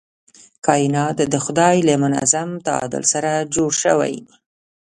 کائنات د خدای له منظم تعادل سره جوړ شوي.